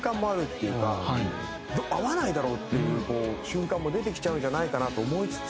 合わないだろうっていう瞬間も出てきちゃうんじゃないかなと思いつつ